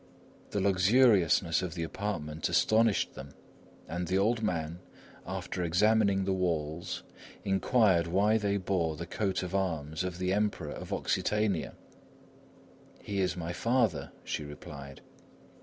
The luxuriousness of the apartment astonished them; and the old man, after examining the walls, inquired why they bore the coat of arms of the Emperor of Occitania. "He is my father," she replied.